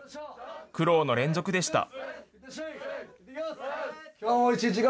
苦労の連続でした。